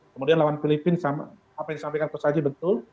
kemudian lawan filipina apa yang disampaikan ke sajib betul